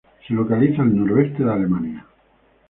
Se localiza al noreste de Alemania.